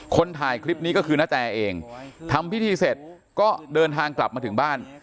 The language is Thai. คนถ่ายคลิปนี้ก็คือนาแตเองทำพิธีเสร็จก็เดินทางกลับมาถึงบ้าน